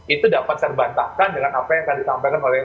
itu dapat terbantahkan dengan apa yang disampaikan oleh